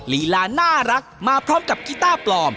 ลีลาน่ารักมาพร้อมกับกีต้าปลอม